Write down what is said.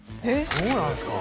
そうなんですか